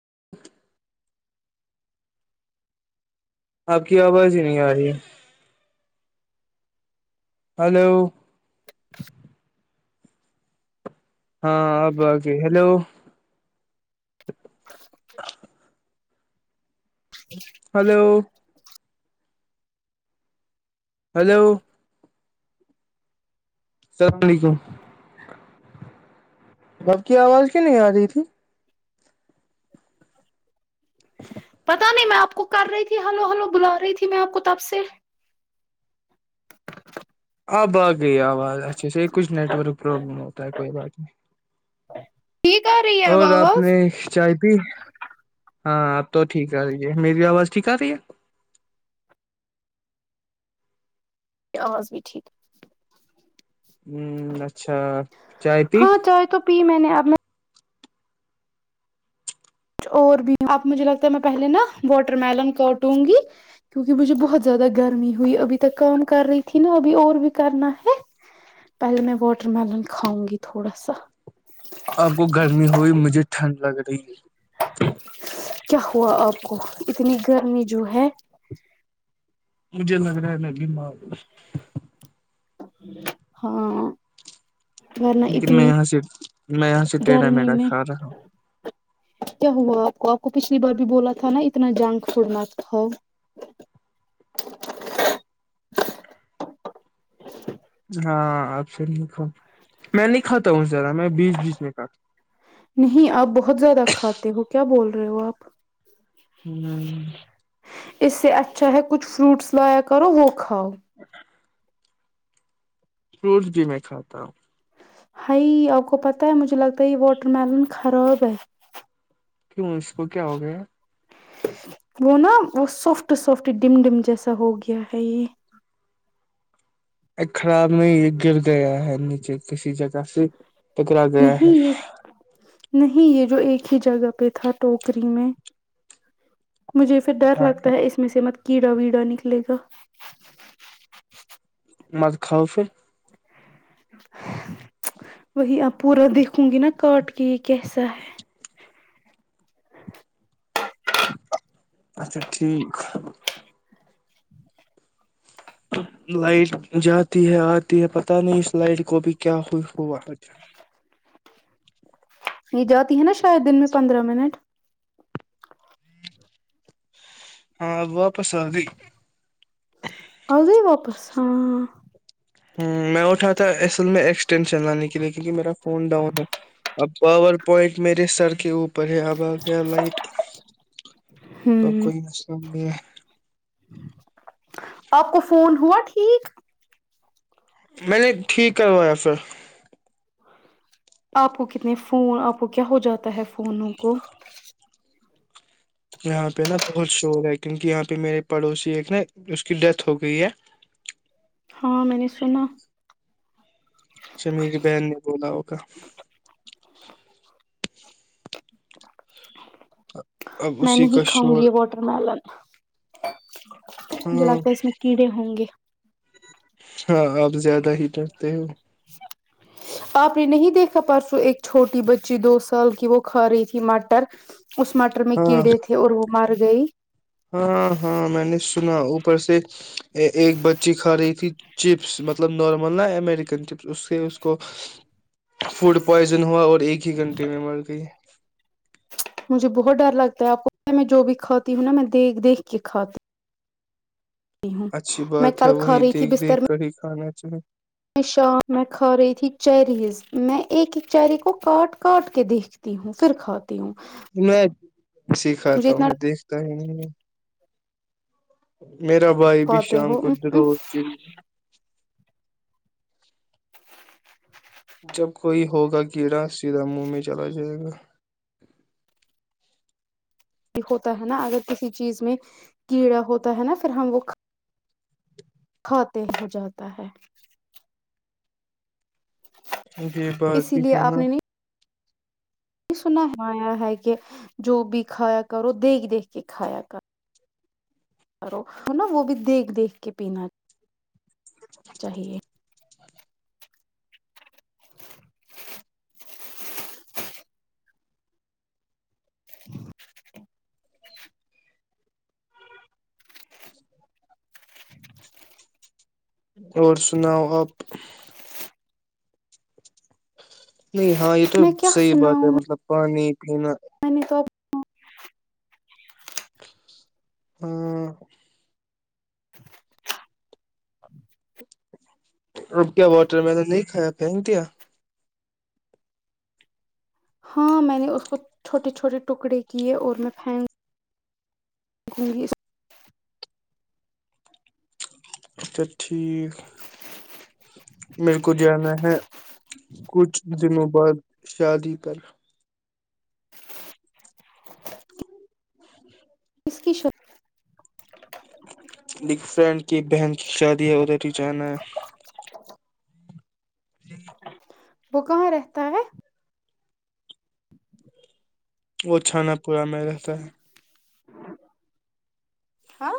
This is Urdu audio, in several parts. [inaudible] آپ کی آواز ہی نہیں آ رہی ہلو ہاں آب آگی ہیلو [inaudible] ہلو ہیلو اللام علیکم بپ کی آواز کیوں نہیں آ رہی تھی [unintelligible] پتا نہیں میں آپ آپ کو کر رہی تھی ہلو ہلو بلا رہی تھی میں آپ کو تب سے آ باغ گئی آواز اچھا ص کچھ نیٹ ورک پرابلم ہوتا ہے کوئی بات نہیں اچ اور آپ نے چائے پی ہاں آپ تو ٹھیک آ رہی ہے میری آواز ٹھیک آ رہی ہے آس بھی ٹھیک ہوں اچھا چائے پی آ کچھ اور بھی اب مجھے لگتا ہے میں پہلے نا واٹر میلن کاٹوں گی کیونکہ مجھے بہت زیادہ گرمی ہوئی ابھی تک کام کر رہی تھی نا ابھی اور بھی کرنا ہے پہلے میں واٹر میلن کھاؤں گی تھوڑا سا آپ کو گرمی ہوئی مجھے ٹھنڈ لگ رہ جی کیا ہوا آپ کو اتنی گرمی جو ہے اجے نگر ہے ن جما ہو ہاں ورنہ لیکن میں اتنی یہاں سے میں یہاں سے ٹٹیھا گرمی میھا میں کھا رہا ہوں کیا ہوا آپ کو آپ کو پچھلی بار بھی بولا تھا نا اتنا جانگ چھوڑنا تھا ہاں آپ سے کا میں نہیں کھاتا ہوں ذرا میں بیس بیچ میں کھاتا نہیں اب بہت ت زیادہ کھاتے ہو کیا بول رہے رروپ ہوں اس سے اچھا ہے کچھ فروٹس لایا کرو وہ کھاؤ فروٹس بھی میں کھاتا ہوں ہائی آپ کو پتا ہے مجھے لگتا ہے یہ واٹر ملن خراب ہے کیوں اس کو کیا ہو گیا وہ نا وہ سافٹ سافٹ ڈم ڈم جیسا ہو گیا ہے یہ ا خراب میں گر گیا ہے نیچے کسی جگہ سے پکرا گیا ہے نہیں یہ نہیں یہ جو ایک ہی جگہ پہ تھا ٹوکری میں مجھے پھر ڈر لگتا ہے اس میں سےمت کیڑا ویڑا نکلے گا مز کھاو پھر وہی آپ پورا دیکھوں گی نا کاٹ کے یہ کیسا ہے اچھا ٹھیک لائٹ جاتی ہے آتی ہے پتہ نہیں اس لائٹ کو بھی کیا ہوا یہ جاتی ہے نا شاید دن میں پندرہ منٹ ہاں واپس آ گی آ گ واپس ہاں ہ میں اٹھا تھا اصل میں ایکسٹینشن لانے کے لیے کیونکہ میرا فون ڈاؤن ہے اب پاور پوائنٹ میرے سر کے اوپر پر ہے اب آ گیا لائٹ تو اب ہوں کوئی مسئلہ نہیں ہے آپ کو فون ہوا ٹھیک میں نے ٹھیک کروایا پھر آپ کو کتنے فون آپ کو کیا ہو جاتا ہے فونوں کو یہاں پہ نا بہت شور ہے کیونکہ یہاں پہ میرے پڑوسی ایک نا اس کی ڈیتھ ہو گئی ہے ہاں میں نے سنا اچھا میری بہن نے بولا ہوگ اب میں اسی کا نہیں کاؤں شور گی یہ واٹر ملن مجھے ہاں لگتا ہے اس میں کیڑے ہوں گے ہاں آپ زیادہ ہی ڈرتے ہو آپ نے نہیں دیکھا پرسوں ایک چھوٹی بچی دو سال کی وہ کھا رہی تھی مٹر اس مٹر میں ہاں کیڑے تھے اور وہ مر گئی ہاں ہاں میں نے سنا سے ایک بچی کھا رہی تھی چپس مطلب نارمل نا امیریکن چپس اس سے اس کو فوڈ پوائزن ہوا اور ایک ہی گھنٹے میں مر گئی مجھے بہت ڈر لگتا ہے آپ کو پ میں جو بھی کھاتی ہوں نا میں دیکھ دیکھ کے کھاتی اچھی ہوں۔ میں بات ہے کل کھا وہی رہی تھی دیکھ بستر دیکھ کر ہی کھانا اچھا میں شام میں کھا رہی تھی چیریز میں ایک ایک چیری کو کاٹ کاٹ کے دیکھتی ہوں پھر کھاتی ہوں میں مجھے سھاتا ہ اتنا میں ڈر دیکھتا ہی نہیں جی میرا بھائی بھی کھاتے شام کو ہو دروز چ جب کوئی ہوگا کیڑا سیدھا منہ میں چلا جائے گا ہوتا ہے نا اگر کسی چیز میں کیڑا ہوتا ہے نا پھر ہم وہ کھاتے ہو جاتا ہے یہ بات اسی بھی لیے ہے آپ نا نے نہیں سنا آیا ہے کہ جو بھی کھایا کرو دیکھ دیکھ کے کھایا کر کرو نا وہ بھی دیکھ دیکھ کے پینا چاہیے جی اور سناؤ آپ نہیں ہاں یہ تو میں کیا صحیح بات ہے مطلب پانی پین پ نے تو ہاں رب گ واٹر مل نہیں کھایا پھینک دیا ہاں میں نے اس کو چھوٹے چھوٹے ٹکڑے کیے اور میں پن [inaudible] اچھا ٹھیک میرے کو جانا ہے کچھ دنوں بعد شادی پر اس کی شو ایک فرینڈ کی بہن کی شادی ہے ادھر ہی جانا ہے لن وہ کہاں رہتا ہے وہ چھانا پورا میں رہتا ہے ہاں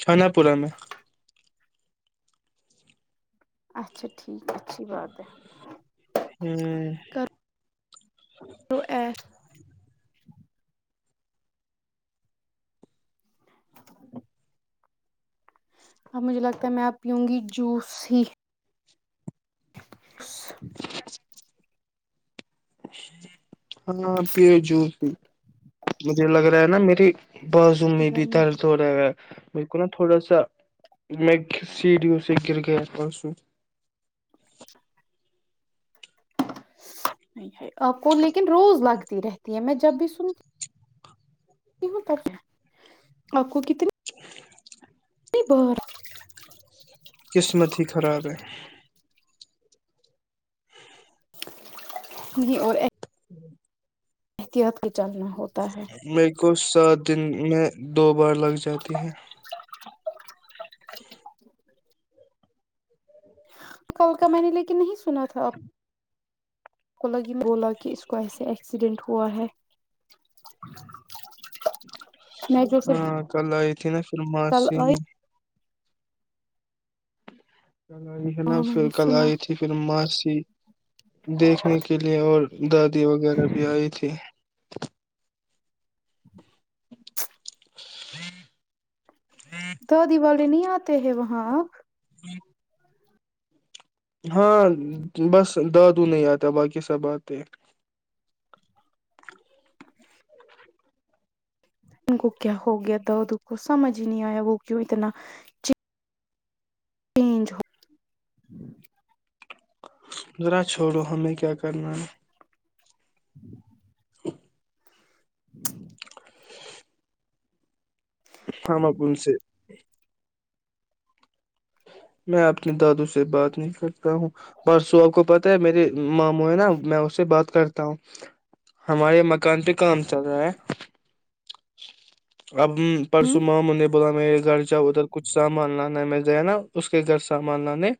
چنا پورا میں اچھا ٹھیک اچھی بات ہے ہ ای [inaudible] اب مجھے لگتا ہے میں اب پیوں گی جوس ہی [inaudible] ہاں پ جوس مجھے لگ رہا ہے نا میری بسوں میں بھی گرمی درد ہو رہا ہے م کو نا تھوڑا سا میں سیڈیو س گر گیا پر سوں آپ کو لیکن روز لگتی رہتی ہے میں جب بھی سنتیوں ت آپ کو ک بار قسمت ہی خراب ہے ج اور احتیاط کے چلنا ہوتا ہے میر کو س دن میں دو بار لگ جاتی ہے [inaudible] کل کا میں نے لیکن نہیں سنا تھا اب کو لن بولا کہ اس کو ایسے ایکسیڈینٹ ہوا ہے میں جو پھر ہاں کل آئیت ن م کل سے آئی کل آئی ہے نا ہاں میں پھر نے کل سنا آئی تھی پھر مس جی دیکھنے کے لیئے اور دادی وغیرہ بھی آئی تھی ہ [inaudible] تو دیوالی نہیں آتے ہیں وہاں [inaudible] ہاں بس دادو نہیں آتا باقی سب آتے ان کو کیا ہو گیا دود کو سمجھ ہی نہیں آیا وہ کیوں اتنا چینج ہو ذرا چھوڑو ہمیں کیا کرنا ہے [inaudible] ہ م پن سےے [inaudible] میں اپنے دادو سے بات نہیں کرتا ہوں پرسو آپ کو پتا میرری ماموں ہے نا میں اس سے بات کرتا تا ہ [unintelligible] ہمارے یہ مکان پہ کام چل رہا ہے [inaudible] اب ہوں پرسوں مامنے بلا میں گھر جہ ادھر کچھ سامان لانا ہے میں نا اس کے گھر سامان لانے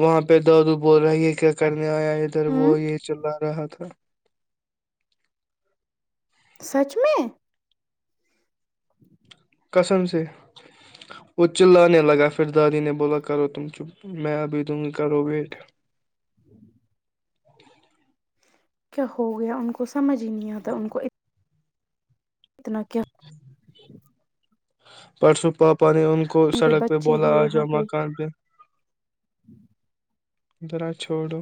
وہاں پہ دوڑو بول رہا یہ کیا کرنے آیا ادھر ہوں وہ یہ چلا رہا تھا سچ میں کسم سے وہ چللے لگا پھر دادی نے بولا کرو تم چپ میں ابھی دوں گی کرو ویٹ کیا ہو گیا ان کو سمجھ ہی نہیں آتا ان کو اتنا کیا پرس پاپ پانی ان کو میرے سڑک پہ بچے بولا آ جاؤ مکان پہ ج [unintelligible] را چھوڑو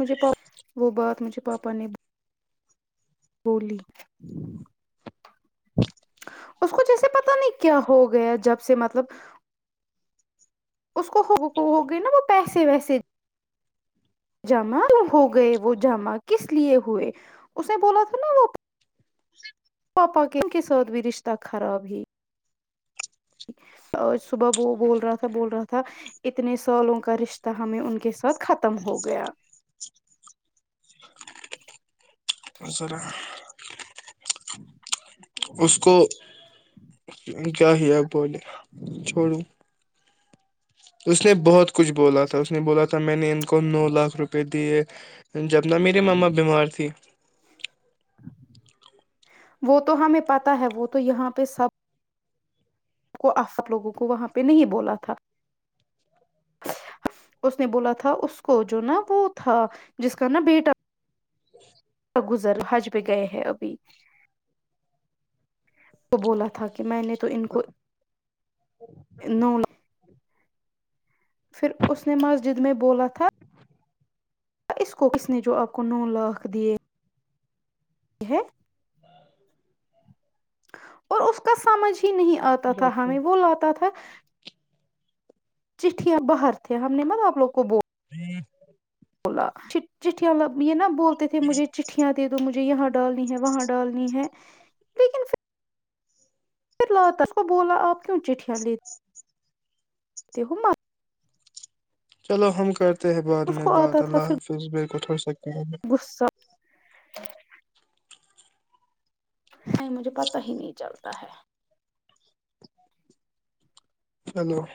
مجھے وہ بات مجھے پا اپانی بولی ہ [inaudible] اس کو جیسے پتا نہیں کیا ہو گیا جب سے مطلب اس کو ہو گئی نا وہ پیسے ویسے جمع ہو گئے وہ جمع کس لیے ہوئے اس نے بولا تھا نا وہ پاپا کے کے ساتھ بھی رشتہ خراب ہی اور صبح وہ بول رہا تھا بول رہا تھا اتنے سالوں کا رشتہ ہمیں ان کے ساتھ ختم ہو گیا ذرا [unintelligible] [inaudible] اس کو کیا ہی آپ بولے چھوڑو اس نے بہت کچھ بولا تھا اس نے بولا تھا میں نے ان کو نو لاکھ روپئے دیے جبنا میری ماما بیمار تھی وہ تو ہمیں پتا ہے وہ تو یہاں پہ سب کو آپ لوگوں کو وہاں پہ نہیں بولا تھا اس نے بولا تھا اس کو جو نا وہ تھا جس کا نا بیٹا [unintelligible] گزر حج پہ گئے ہیں ابھی تو بولا تھا کہ کہ میں نے تو ان کو انول پھر اس نے مسجد میں بولا تھا اس کو ک نے جو آپ کو نو لاکھ دیے ہے اور اس کا سمجھ ہی نہیں آتا تھا ہمیں وہ لاتا تھا چیٹھیاں باہر تھے ہم نے ملب آپ لوگ کو بو بولا چٹیاں ل یہ نہا بولتے تھے مجھے چٹھیاں دے دو مجھے یہاں ڈالنی ہے وہاں ڈالنی ہے لیکن پھرھر لاتا اس کو بولا آپ کیوں چٹھیاں لے [unintelligible] چلو ہم کرتے ہیں بع اس میں کو بات آتا تھا اللہ پھر حافظ ب کو تھ غصہ [inaudible] نہیں مجھے پتہ ہی نہیں چلتا ہے چلو